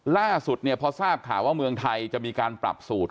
ล่าสุดเนี่ยพอทราบข่าวว่าเมืองไทยจะมีการปรับสูตร